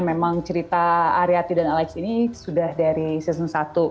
memang cerita aryati dan alex ini sudah dari season satu